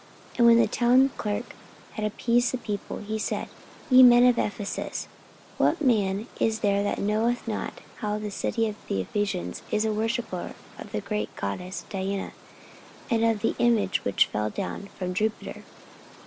44:019:035 And when the townclerk had appeased the people, he said, Ye men of Ephesus, what man is there that knoweth not how that the city of the Ephesians is a worshipper of the great goddess Diana, and of the image which fell down from Jupiter?